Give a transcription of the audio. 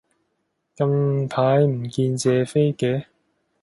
近排唔見謝飛嘅